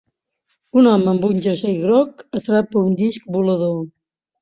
Un home amb un jersei groc atrapa un disc volador.